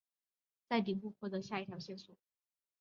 在顶部获得下一条线索。